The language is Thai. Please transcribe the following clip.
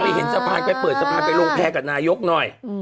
เห็นสะพานไปเปิดสะพานไปลงแพรกับนายกหน่อย